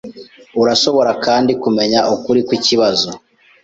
Urashobora kandi kumenya ukuri kwikibazo.